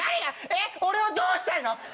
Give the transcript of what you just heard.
えっ俺をどうしたいの！？